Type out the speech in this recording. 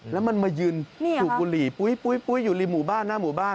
แล้วมันมายืนสูบบุหรี่ปุ๊ยอยู่ริมหมู่บ้านหน้าหมู่บ้าน